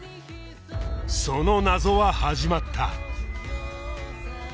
その謎は始まった